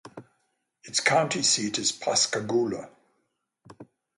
Its county seat is Pascagoula.